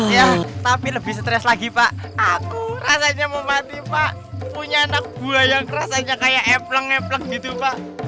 ya tapi lebih stres lagi pak aku rasanya mau mati pak punya anak buah yang kerasanya kayak epleng ngepleng gitu pak